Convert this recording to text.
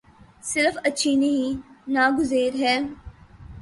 صرف اچھی نہیں ناگزیر ہے۔